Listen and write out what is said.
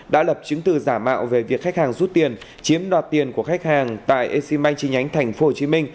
đã lập chứng từ giả mạo về việc khách hàng rút tiền chiếm đoạt tiền của khách hàng tại exim bank chi nhánh tp hcm